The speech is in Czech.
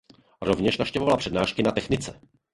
Rovněž navštěvoval přednášky na technice.